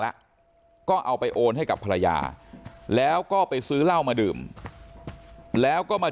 แล้วก็เอาไปโอนให้กับภรรยาแล้วก็ไปซื้อเหล้ามาดื่มแล้วก็มา